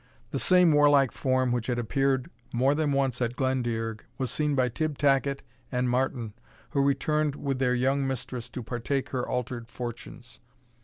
The same warlike form which had appeared more than once at Glendearg, was seen by Tibb Tacket and Martin, who returned with their young mistress to partake her altered fortunes.